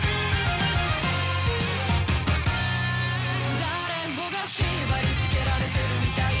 誰もが縛り付けられてるみたいだ